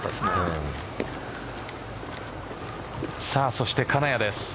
そして、金谷です。